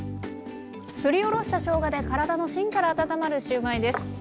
すりおろしたしょうがで体の芯から温まるシューマイです。